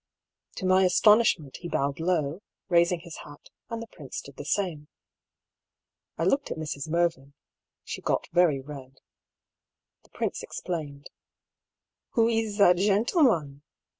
To my astonishment he bowed low, raising his hat, and the prince did the same. I looked at Mrs. Mervyn. She got very red. The prince explained. " Who is that gentilman